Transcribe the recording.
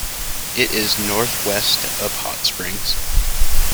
It is northwest of Hot Springs.